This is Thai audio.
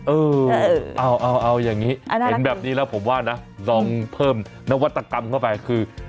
เออเอาอย่างนี้เห็นแบบนี้แล้วผมว่านะลองเพิ่มนวัตกรรมเข้าไปคือ